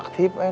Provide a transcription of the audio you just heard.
beda apa ya